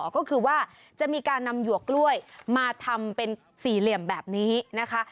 ก็คือว่าจะมีการนำหยวกกล้วยมาทำเป็นสี่เหลี่ยมแบบนี้นะคะ